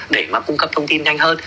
để mà cung cấp thông tin nhanh hơn